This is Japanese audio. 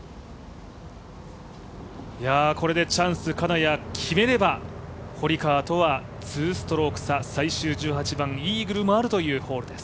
これでチャンス、金谷が決めれば堀川とは２ストローク差、最終１８番、イーグルもあるというホールです。